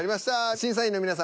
審査員の皆さん